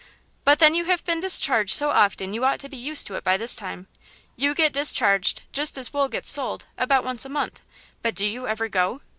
"But then you have been discharged so often you ought to be used to it by this time. You get discharged, just as Wool gets sold, about once a month–but do you ever go?"